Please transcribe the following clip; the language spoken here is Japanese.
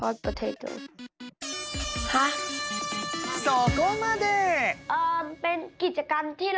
そこまで！